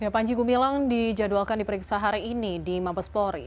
panji gumilang dijadwalkan diperiksa hari ini di mabespori